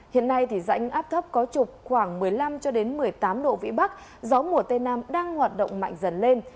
hiện nay rãnh áp thấp có trục khoảng một mươi năm một mươi tám độ vĩ bắc gió mùa tây nam đang hoạt động mạnh dần lên